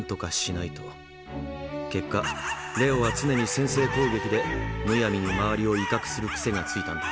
結果レオは常に先制攻撃でむやみに周りを威嚇する癖がついたんだ。